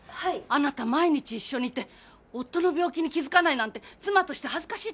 あなた毎日一緒にいて夫の病気に気付かないなんて妻として恥ずかしいと思わないの？